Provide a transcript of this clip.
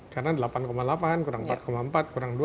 karena delapan delapan kurang empat empat kurang dua